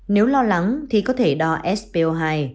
nếu lo lắng thì có thể đo spo hai